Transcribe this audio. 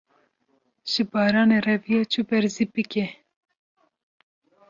ji baranê reviya, çû ber zîpikê